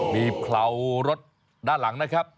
มีเพรารถด้านหลังนะครับ